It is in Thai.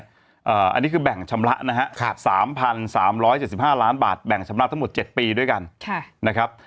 อันนี้คือแบ่งชำระนะฮะ๓๓๗๕ล้านบาทแบ่งชำระทั้งหมด๗ปีด้วยกันนะครับ